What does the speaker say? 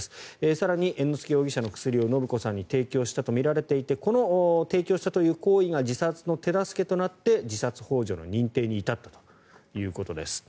更に猿之助容疑者の薬を延子さんに提供したとみられていてこの提供したという行為が自殺の手助けとなって自殺ほう助の認定に至ったということです。